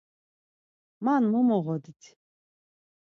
Man mu moğodit?